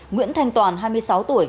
nguyễn thành toàn hai mươi sáu tuổi